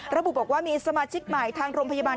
ระบุบอกว่ามีสมาชิกใหม่ทางโรงพยาบาล